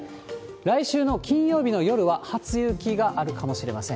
来週の金曜日の夜は初雪があるかもしれません。